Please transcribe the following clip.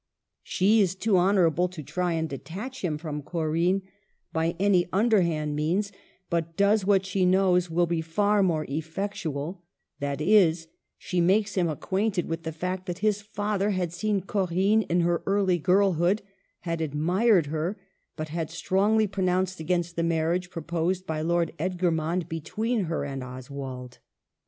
She is too honorable to try and detach him from Corinne by any underhand means, but does what she knows will be far more effectual ; that is, she makes him acquainted with the fact that his father had seen Corinne in her early girlhood, had admired her, but had strong ly pronounced against the marriage proposed by Lord Edgermond between her and Oswald.